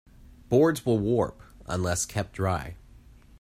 Boards will warp unless kept dry.